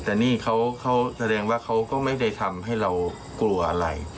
แต่นี่เขาแสดงว่าเขาก็ไม่ได้ทำให้เรากลัวอะไร